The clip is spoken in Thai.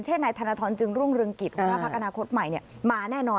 เช่นในธนทรจึงรุ่งเรืองกิจวัฒนาโค้ดใหม่เนี่ยมาแน่นอน